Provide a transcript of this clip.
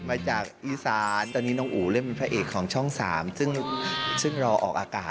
มาจากอีสานตอนนี้น้องอู๋เล่นเป็นพระเอกของช่อง๓ซึ่งรอออกอากาศ